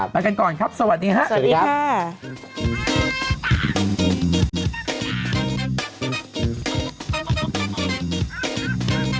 ไปกันก่อนครับสวัสดีครับ